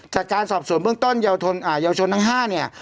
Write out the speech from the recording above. จากการสอบสวนเบื้องต้นเยาวชนทั้ง๕เนี่ย